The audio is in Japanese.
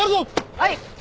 はい！